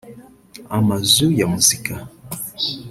amazu ya muzika